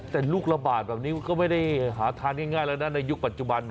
แต่ลูกระบาดแบบนี้ก็ไม่ได้หาทานง่ายแล้วนะในยุคปัจจุบัน